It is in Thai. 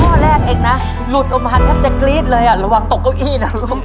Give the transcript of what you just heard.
ข้อแรกเองนะหลุดออกมาแทบจะกรี๊ดเลยอ่ะระวังตกเก้าอี้นะ